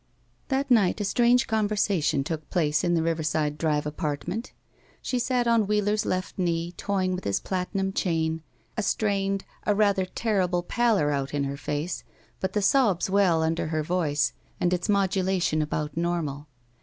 That night a strange conversation took place in the Riverside Drive apartment. She sat on Wheeler's left knee, toying with his platintun chain, a strained, a rather terrible pallor out in her face, but the sobs well under her voice, and its modulation about normal.